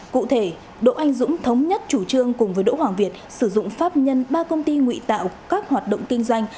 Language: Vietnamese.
cụ thể đỗ anh dũng thống nhất chủ trương cùng với đỗ hoàng việt sử dụng pháp nhân ba công ty nguy tạo các hoạt động kinh doanh